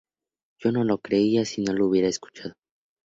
Yo no lo creería si no le hubiera escuchado.